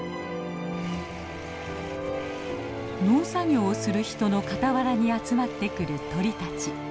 農作業をする人の傍らに集まってくる鳥たち。